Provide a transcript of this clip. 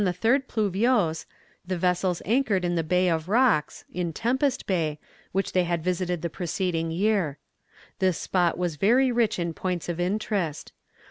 ] Upon the 3rd Pluviose, the vessels anchored in the Bay of Rocks, in Tempest Bay, which they had visited the preceding year. This spot was very rich in points of interest.